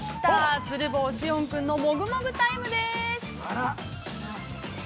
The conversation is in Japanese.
鶴房汐恩君のもぐもぐタイムです！